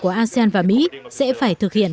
của asean và mỹ sẽ phải thực hiện